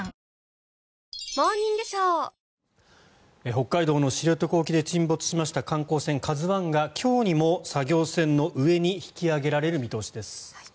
北海道の知床沖で沈没しました観光船「ＫＡＺＵ１」が今日にも作業船の上に引き揚げられる見通しです。